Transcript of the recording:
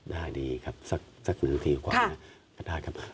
ได้ดีครับสัก๑นาทีกว่านะ